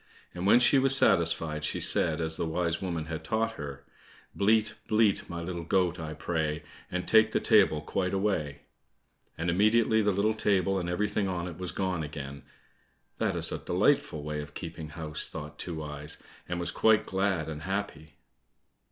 And when she was satisfied, she said, as the wise woman had taught her, "Bleat, bleat, my little goat, I pray, And take the table quite away," and immediately the little table and everything on it was gone again. "That is a delightful way of keeping house!" thought Two eyes, and was quite glad and happy.